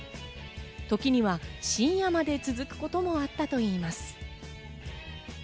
時には深夜まで続くこともあったといいます。